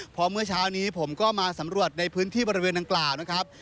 เพราะเมื่อเช้านี้ผมก็มาสำรวจในพื้นที่บริเวณดังกล่าวนะครับ